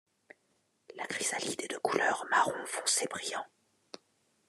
La chrysalide est de couleur marron foncé brillant.